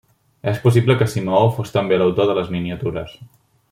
És possible que Simeó fos també l'autor de les miniatures.